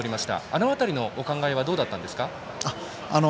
あの辺りのお考えはどうだったんですか？